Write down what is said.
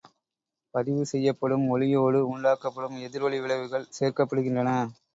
பதிவு செய்யப்படும் ஒலியோடு உண்டாக்கப்படும் எதிரொலி விளைவுகள் சேர்க்கப்படுகின்றன.